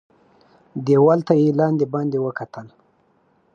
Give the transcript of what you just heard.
دېوال ته یې لاندي باندي وکتل .